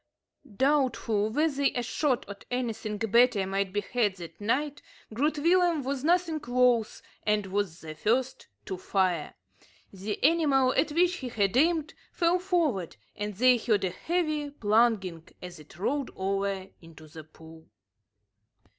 Doubtful whether a shot at anything better might be had that night, Groot Willem was nothing loath, and was the first to fire. The animal at which he had aimed fell forward, and they heard a heavy plunging, as it rolled over into the pool.